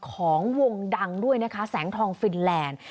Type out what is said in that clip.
ของวงดังด้วยนะคะแสงทองฟินแลนด์